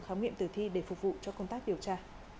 khám nghiệm tử thi để phục vụ cho công tác điều tra